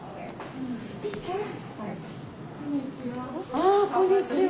あこんにちは。